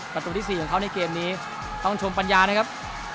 ประตูที่๔ของเขาในเกมนี้ต้องชมปัญญานะครับ